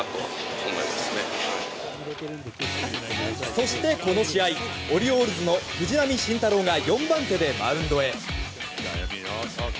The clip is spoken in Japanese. そして、この試合オリオールズの藤浪晋太郎が４番手でマウンドへ。